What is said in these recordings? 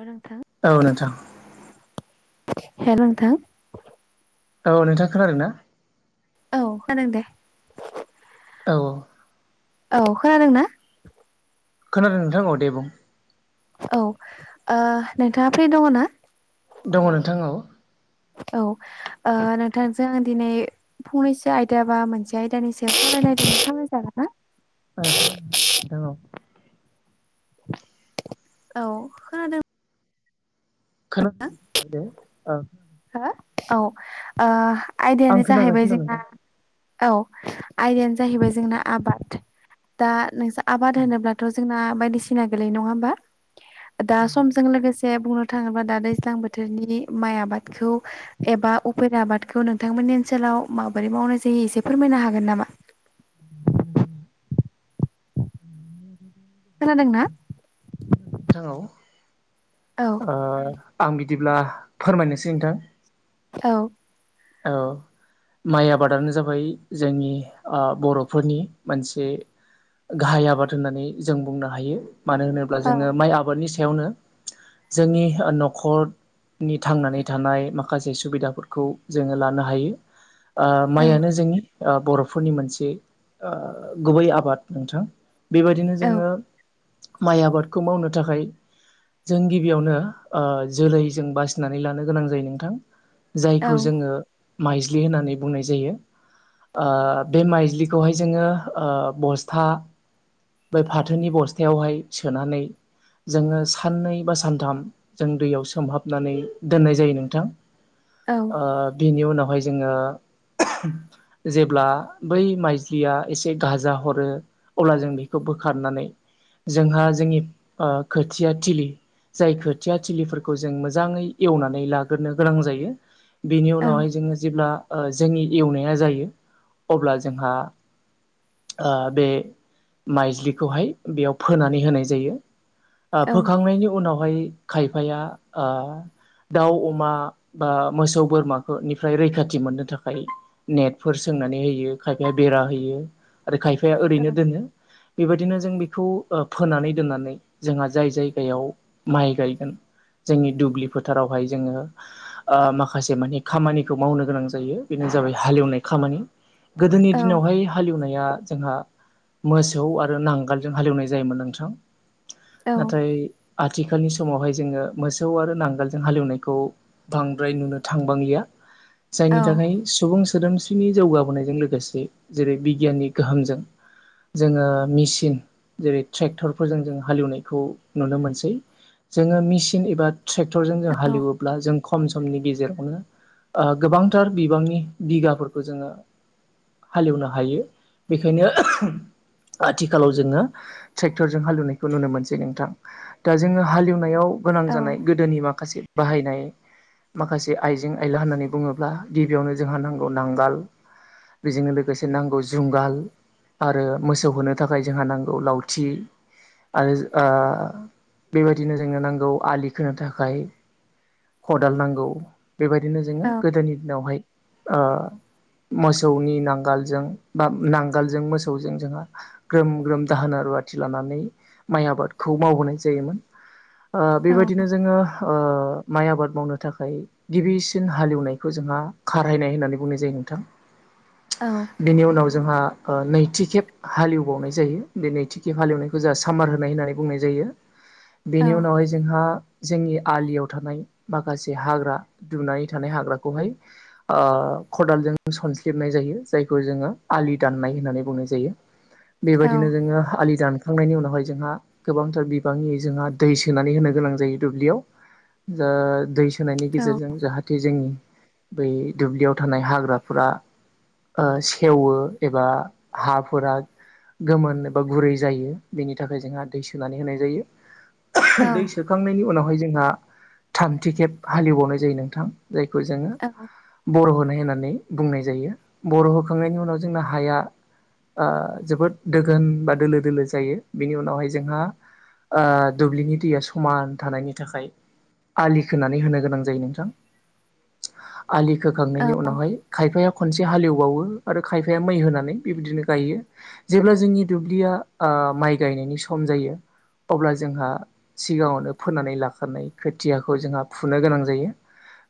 हेल' नोंथां औ नोथां हेल' नोंथां औ नोंथां खोनादों ना? औ खोनादों दे औ औ खोनादोंना? खोनादों नोंथां अ दे बुं औ नोंथाङा फ्रि दङ ना? दङ नोंथां औ औ नोंथांजों दिनै फंनैसो आयदा बा मोनसे आयदानि सायाव [unintelligible] सावराय जागोन ना? औ सावरायजागोन नोंथां औ औ खोनादों खानादों [unintelligible] हो औ आं आयदायानो जाहैबाय खोनागासिनो दं जोंना नोंथां औ आयदायानो जाहैबाय जोंना आबाद दा नोंसा आबाद होनोब्लाथ' जोंना बायदिसिना गोलैयो नङा होमबा दा समजों लोगोसे बुंनो थाङोब्ला दा दैज्लां बोथोरनि माइ आबाद एबा उफेर आबादखौ नोंथांमोननि ओनसोलाव माबोरै मावनाय जायो एसे फोरमायनो हागोन नामा? [unintelligible] खोनादों ना? औ आं बिदिब्ला फोरमायनोसै नोंथां औ औ माइ आबादानो जाबाय जोंनि बर'फोरनि मोनसे गाहाय आबाद होननानै जों बुंनो हायो मानो होनोब्ला औ जोङो माइ आबादनि सायावनो जोंनि न'खर नि थांनानै थानाय माखासे सुबिदाफोरखौ जोङो लानो हायो औ माइयानो जोंनि बर'फोरनि मोनसे गुबै आबाद नोंथां बेबायदिनो औ जोङो माइ आबादखौ मावनो थाखाय जों गिबि यावनो जोलै जों बासिनानै लानो गोनां जायो नोंथां औ जायखौ जोङो माइज्लि होननानै बुंनाय जायो बे माइजलिखौहाय जोङो बस्था बा फाथोनि बस्थायावहाय सोनानै जोङो साननै बा सानथाम जों दैयाव सोमहाबनानै दोननाय जायो नोंथां औ बिनि उनावहाय जोङो जेब्ला बै माइज्लिया एसे गाजा हरो अब्ला जों बेखौ बो बोखारनानै जोंहा जोंनि खोथिया थिलि जाय खोथिया थिलिफोरखौ जों मोजाङै एवनानै लाग्रोनो गोनां जायो बिनि औ उनावहाय जोङो जेब्ला जोंनि एवनाया जायो अब्ला जोंहा बे माइज्लिखौहाय बेयाव फोनानै होनाय जायो औ फोखांनायनि उनावहाय खायफाया दाउ अमा बा मोसौ बोरमाफोरनिफ्राय रैखाथि मोननो थाखाय नेटफोर सो नानै हो खायफाया बेरा होयो आरो खायफाया ओरैनो दोनो बेबायदिनो जों बेखौ फोनानै दोननानै जोंहा जाय जायगायाव माइ गायगोन जोंनि दुब्लि फोथारावहाय जोंङो माखासे माने खामानिखौ मावनो गोनां जायो बेनिनो जाबाय हालेवनाय खामानि गोदोनि औ दिनावहाय हालेवनाया जोंहा मोसौ आरो नांगोलजों हालेवनाय जायोमोन नोंथां औ नाथाय आथिखालनि समावहाय जोंङो मोसौ आरो नांगालजों हालेवनायखौ बांद्राय नुनो थांबांलिया गैया औ जायनि थाखाय सुबुं सोदोमस्रिनि जौगाबोनायजों लोगोसे जेरै बिगियाननि गोहोमजों जोंङो मेसििन जेरै ट्रेक्टरफोरजों जों हालेवनायखौ नुनो मोनसै जोंङो मेचन एबा ट्रेक्टरजों जों हालेवोब्ला जों खम समनि गेजेरावनो गोबांथार बिबांनि बिगाफोरखौ जोंङो हालेवनो हायो बेखायनो आथिखालाव जोंङो ट्रेक्टरजों हालेवनायखौ नुनो मोनसै नोंथां दा जोंङो हालेवनायाव गोनां जानाय गोदोनि माखासे बाहायनाय माखासे आइजें आयला होननानै बुंङोब्ला गिबियावनो जोंहा नांगौ नांगाल बेजोंनो लोगोसे नांगौ जुंगाल आरो मोसौ होनो थाखाय जोंहा नांगौ लावथि आरो बेबायदिनो जोंनो नांगौ आलि खोनो थाखाय खदाल नांगौ बेबायदिनो जोंङो गोदोनि दिनावहाय मोसौनि नांगालजों बा नांगालजों मोसौजों जोंहा ग्रोम - ग्रोम दाहोन रुवाथि लानानै माइ आबादखौ मावबोनाय जायोमोन । बेबायदिनो जोंङो माइ आबाद मावनो थाखाय गिबिसिन हालेवनायखौ जोंहा खारहायनाय होननानै बुंनाय जायो नोंथां बिनि उनाव जोंहा नैथि खेब हालेवबावनाय जायो बे नैथि खेब हालेवनायखौ जोंहा सामार होनाय होननानै बुंनाय जायो । बेनि उनावहाय जोंहा जोंनि आलियाव थानाय माखासे हाग्रा दुमनानै थानाय हाग्राखौहाय खदालजों सनसलिबनाय जायो जायखौ जोंङो आलि दाननाय होननानै बुंनाय जायो । बेबायदिनो जोंङो आलि दानखांनायनि उनावहाय जोंहा गोबांथार बिबांनि जोंहा दै सोनानै होनो गोनां जायो । दुब्लियाव जा दै औ सोनायनि गेजेरजों जाहाथे जोंनि बै दुब्लियाव थानाय हाग्राफोरा सेवो एबा हाफोरा गोमोन एबा गुरै जायो बेनि थाखाय जोंहा दै सोना होनाय जायो । दै औ सोखांनायनि उनावहाय जोंहा थामथि खेब हालेवबावनाय जायो नोंथां जायखौ जोंङो बर' होननानै बुंनाय जायो बर' होखांनायनि उनाव जोंना हाया जोबोद दोनगोन बा दोलो - दोलो जायो बिनि उनावहाय जोंहा ओ दुब्लिनि दैया समान थानायनि थाखाय आलि खोनानै होनो गोनां जायो नोंथां [inaudible] आलि खोखांनायनि उनावहाय खायफाया खनसे हालेवबावो आरो खायफाया मै होनानै बेबायदिनो गायो जेब्ला जोंनि दुब्लिया माइ गायनायनि जायो अब्ला जोंहा सिगाङावनो फोननानै लाखानाय खोथियाखौ जोंहा फुनो गोनां जायो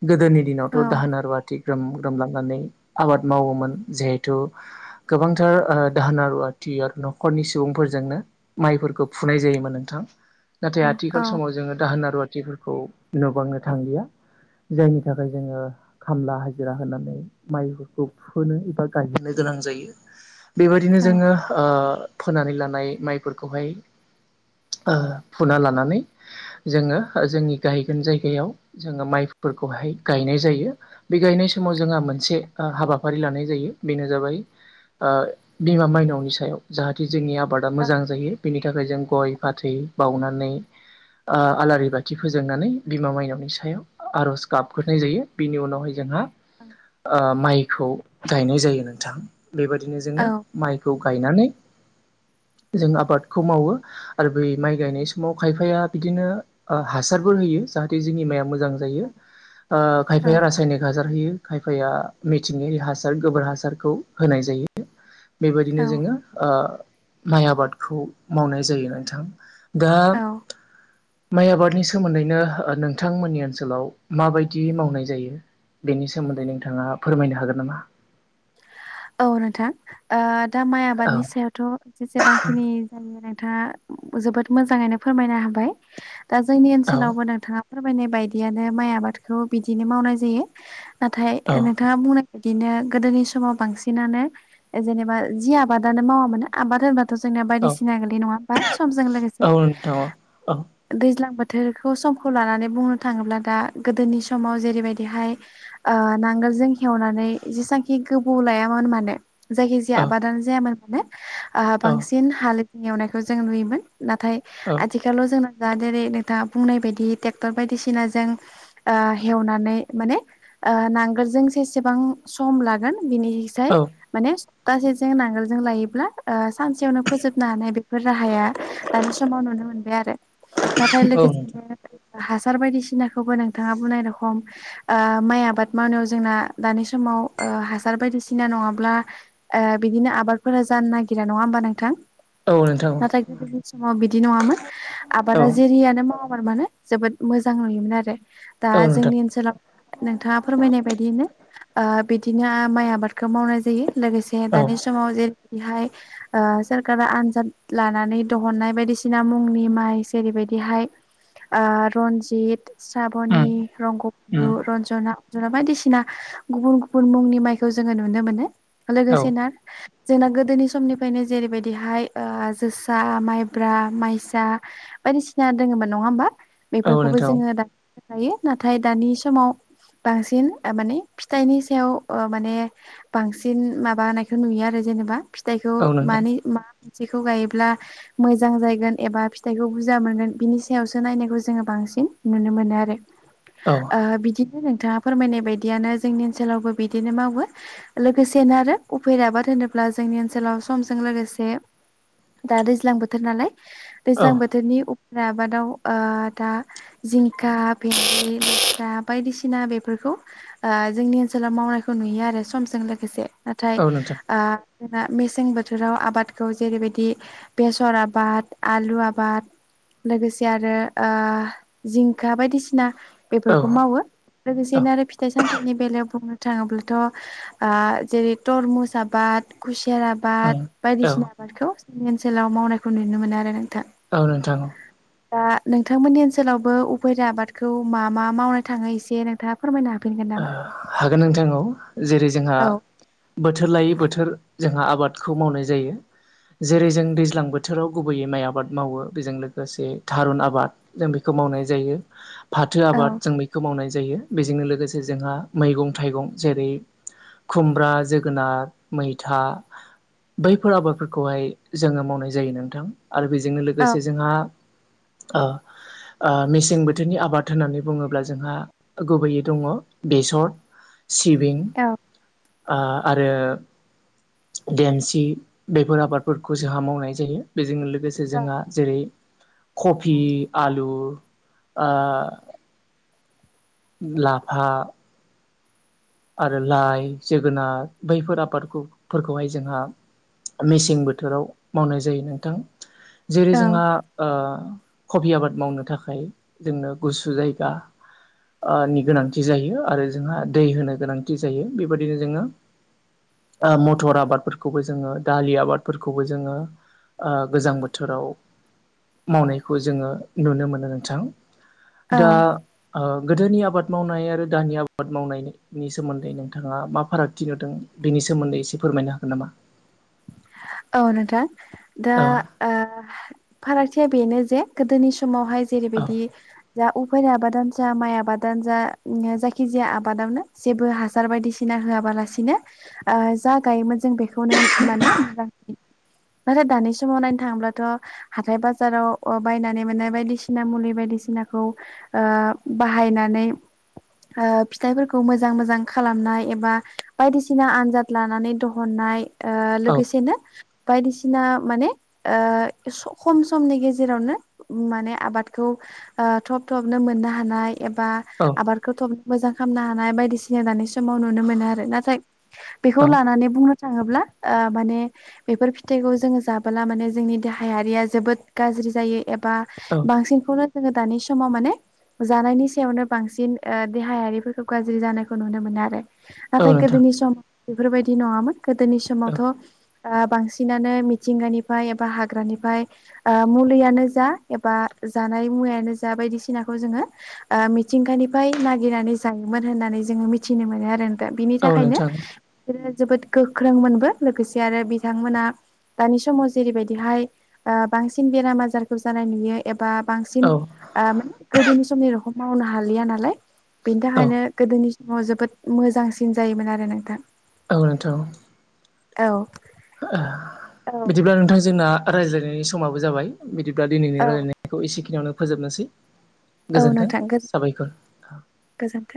। गोदोनि दिनावथ' दाहोना रुवाथि ग्रोम [unintelligible] आबाद मावोमोन जिहेथु गोबांथार दाहोन रुवाथि आरो न'खरनि सुबुंफोरजोंनो माइफोरखौ फुनाय जायोमोन नोंथां नाथाय आथिखाल समाव जोङो दाहोन रुवाथिफोरखौ नुबांनो थांलिया जायनि थाखाय जोङो खामला हाजिरा होनानै माइफोरखौ फुहोनो एबा गायहोनो जों गोनां जायो। बेबायदिनो जोङो ओ फोनानै लानाय माइफोरखौहाय ओ फुना लानानै जोङो जोंनि गायगोन जायगायाव जोङो माइफोरखौहाय गायनाय जायो बे गायनाय समाव जोंहा मोनसे ओ हाबाफारि लानाय जायो बेनो जाबाय ओ बिमा माइनावनि सायाव जाहाथे जोंनि आबादा मोजां जायो बिनि थाखाय जों गइ फाथै बावनानै ओ आलारि बाथि फोजोंनानै बिमा माइनावनि सायाव आर'ज गाबग्रोनाय जायो बिनि उनावहाय जोंहा ओ माइखौ गायनाय जायो नोंथां। बेबायदिनो जोङो माइखौ गायनानै जों आबादखौ मावो। आरो बै माइ गायनाय समाव खायफाया बिदिनो ओ हासारबो होयो जाहाथे जोंनि माइआ मोजां जायो ओ खायफाया रासायनिक हासार होयो। खायफाया मिथिंगायारि हासार गोबोर हासारखौ होनाय जायो। औ बेबायदिनो जोङो ओ माइ आबादखौ मावनाय जायो नोंथां। दा औ माइ आबादनि सोमोन्दैनो नोंथांमोननि ओनसोलाव माबायदि मावनाय जायो? बेनि सोमोन्दै नोंथाङा फोरमायनो हागोन नामा? औ नोंथां ओ दा माइ औ आबादनि सायावथ' जेसेबांखिनि [inaudible] नोंथाङा जोबोद मोजाङैनो फोरमायनो हाबाय दा जोंनि औ ओनसोलावबो नोंथाङा फोरमायनाय बायदियानो माइ आबादखौ बिदिनो मावनाय जायो नाथाय औ नोंथाङा बुंनाय बिदिनो गोदोनि समाव बांसिनानो जेनेबा जि आबादानो मावामानो आबाद होनबा जोंनाया औ बायदिसिना गोगलै नङा होमबा समजों लोगोसे औ नोंथां औ औ दैज्लां बो थोरखौ समखौ लानानै बुंनो थाङोब्ला दा गोदोनि समाव जेरैबायदिहाय ओ नांगोल जों हेवनानै जेसां खि गोबौ लायामोन मानो जायखि जाया औ आबादानो जायामोन मानो बांसिन ओ हाल एवनायखौ जों नुयोमोन नाथाय औ आथिखालाव जोंना दा जेरै नोंथाङा बुंनाय बायदि ट्रेक्टर बायदिसिनाजों ओ हेवनानै माने ओ नांगोलजों जेसेबां सम ला गोन बिनिसाय माने सप्तासेजों नांगोलजों लायोब्ला ओ सानसेयावनो फोजोबनो हानाय बा बेफोर राहाया दानि समाव नुनो मोनबाय आरो नाथाय औ औ लोगोसेनो [inaudible] हासार बायदिसिनाखौबो नोंथाङा बुंनाय रखम ओ माइ आबाद मावनायाव जोंना दानि समाव ओ हासार बायदिसिना नङाब्ला ओ बिदिनो आबादफोरा जानो नागिरा नङा होमबा नोंथां? औ नोंथां नाथाय गोदोनि समाव बिदि नङामोन औ आबादा जेरियानो मावा मोन मानो जोबोद मोजां नुयोमोन आरो दा औ नोंथां जोंनि ओनसोलाव नोंथाङा फोरमायनाय बायदियैनो ओ बिदिनो माइ आबादखौ मावनाय जायो लोगोसे औ दानि समाव जेरै बेहाय [unintelligible] ओ सोरखारा आनजाद लानानै दिहननाय बायदिसिना मुंनि माइ जेरै बायदिहाय रनजित उम साबनि उम रंगबदु रन्जना अजना बायदिसिना गुबुन गु बुन मुंनि माइखौ जोङो नुनो मोनो औ लोगोसे ना जोंना गोदोनि समनिफ्रायनो जेरैबायदिहाय ओ जोसा माइब्रा, माइसा बायदिसिना दोङोमोन नङा होमबा औ बेफोरखौबो नोंथां जोङो औ दा गायो नाथाय दानि समाव बांसिन माने फिथाइनि सायाव ओ माने बांसिन माबानायखौ नुयो आरो जेनेबा फिथाइखौ औ नोंथां माने मा मोनसेखौ गायोब्ला मोजां जायगोन एबा फिथाइखौ बुरजा मोनगोन बिनि सायावसो नायनायखौ जोङो बां बांसिन नुनो मोनो आरो औ ओ बिदिनो नोंथाङा फोरमायनाय बायदियानो जोंनि ओनसोलावबो बिदिनो मावो लोगोसेनो आरो उफेरा आबाद होनोब्ला जोंनि ओनसोलाव समजों लोगोसे से दा दैज्लां बोथोर नालाय औ दैज्लां बोथोरनि आबादाव ओ दा जिंखा भेन्दि लेस्रा बायदिसिना बेफोर खौ आ जोंनि ओनसोलाव मावनायखौ नुयो आरो समजों लोगोसे नाथाय औ नोंथां ओ जोंना मेसें बोथोराव आबादखौ जेरैबायदि बेसर आबाद आलु आबाद लोगोसे आरो ओ जिंखा बायदिसिना औ बेफोरखौ मावो औ लोगोसेनो आरो फिथाइ सामथाइनि बेलायाव बुंनो थाङोब्लाथ' आह जेरै तरमुज आबाद खु सेर आबाद उम औ बायदिसिना आबादखौ जोंनि ओनसोलाव मावनायखौ नुनो मोनो आरो नोंथां औ नोंथां औ दा नोंथांमोननि ओनसोलावबो उफेरा आबादखौ मा मा मावनो थाङो एसे नोंथाङा फोरमायनो हाफिनगोन ओ नामा हागोन नोंथां औ जेरै जोंहा औ बोथोर लायै बोथोर जोंहा आबादखौ मावनाय जायो जेरै जों दैज्लां बोथोराव गुबैयै माइ आबाद मावो बेजों लोगोसे थारुन आबाद जों बेखौ मावनाय जायो फाथो औ आबाद जों बेखौ मावनाय जायो बेजोंनो लोगोसे जोंहा मैगं थाइगं जेरै खुमब्रा जोगोनार मैथा बैफोर आबादफोरखौहाय जोङो मावनाय जायो नोंथां आरो बेजोंनो औ लोगोसे जोंहा ओ ओ मेसें बोथोरनि आबाद होननानै बुङोब्ला जोंहा गुबैयै दङ बेसर सिबिं आ‌आथ रो देमसि बेफोर आबादफोरखौ जोंहा मावनाय जायो बेजों लो गोसे औ जोंहा जेरै कफि आलु आ लाफा आरो लाइ जोगोनार बैफोर आबादफोरखौहाय जोंहा मेसें बोथोराव मावनाय जायो नोंथां जेरै औ जोंहा ओ कबि आबाद मावनो थाखाय जोंनो गुसु जायगा ओ नि गोनांथि जायो आरो जोंहा दै होनो गोनांथि जायो बेबायदिनो जोङो ओ मथर आबादफोरखौबो जोङो दालि आबादफोरखौबो जोङो ओ गोजां बोथोराव मावनायखौ जोङो नुनो मोनो नोंथां दा औ ओ गोदोनि आबाद मावनाय आरो दानि आबाद मावनायनि नि सोमोन्दै नोंथाङा मा फारागथि नुदों बेनि सोमोन्दै एसे फोरमायनो हागोन नामा औ नोंथां दा औ ओ फारागथिया बेनो जे गोदोनि समावहाय औ जेरैबायदि जा उफेरा आबाद दानो जा माइ आबादानो जा जायखिजाया आबादावनो जेबो हासार बायदिसिना होआबालासिनो ओ जा गायोमोन जों बेखौनो माने [unintelligible] नाथाय दानि समाव नायनो थाङोब्लाथ' हाथाय बाजाराव ओ बायनानै मोननाय बायदिसिना मुलि बायदिसि नाखौ ओ बाहायनानै ओ फिथाइफोरखौ मोजां मोजां खालामनाय एबा बायदिसिना आनजाद लानानै दहननाय ओ औ लोगोसेनो बायदिसिना माने ओ स खम समनि गेजेरावनो माने आबादखौ खौ ओ थब थाबनो मोननो हानाय एबा औ आबादखौ थबनो मोजां खालामनो हानाय बायदिसिन होनानै सु समाव नुनो मोनो आरो नाथाय बेखौ औ लानानै बुंनो थाङोब्ला ओ माने बेफोर फिथाइखौ जोङो जाबोला माने जोंनि देहायारिया जोबोद गाज्रि जायो एबा औ बांसिनखौनो जोङो दानि समाव माने जानायनि सायावनो बांसिन ओ देहायारिफोरखौ गाज्रि जानायखौ नुनो मोनो आरो औ नाथाय नोंथां गोदोनि समाव बेफोरबायदि नङामोन गोदोनि औ समावथ' बांसिनानो मिथिंगानिफ्राय एबा हाग्रानिफ्राय मुलियानो जा एबा जानाय मुवायानो जा बायदिसिनाखौ जोङो मिथिंगानिफ्राय नागिरनानै जायोमोन होननानै जों मिथिनो मोनो आरो दा बिनि औ थाखायनो नोंथां बिसोरो जोबोद गोख्रों मोनबो लोगोसे आरो बि बिथांमोना दानि समाव जेरैबायदिहाय बांसिन बेराम आजारखौ जानाय नुयो बा बांसिन औ माने गोदोनि समनि'खौ मावनो हालिया नालाय बेनि औ थाखायनो गोदोनि समाव जोबोद मोजांसिन जायोमोन आरो नोंथां ओ नोंथां औ औ बिदिब्ला नोंथां जोंना रायज्लायनायनि समाबो जाबाय बिदिब्ला दिनैनि रायलायनायखौ एसेखिनियावनो फोजोबनोसै औ गोजोन्थों नोंथां साबायखर गोजोनथों